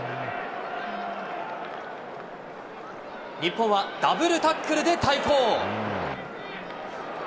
日本はダブルタックルで対抗。